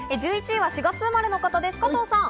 １１位は４月生まれの方です、加藤さん。